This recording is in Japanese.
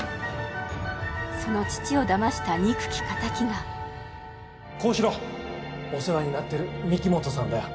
その父をだました憎き仇が高志郎お世話になってる御木本さんだよ